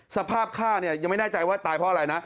สภาพฆ่าเนี่ยยังไม่แน่ใจว่าตายเพราะอะไรนะ